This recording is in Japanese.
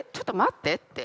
って。